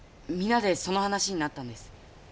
皆でその話になったんです。